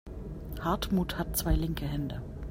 Hartmut hat zwei linke Hände.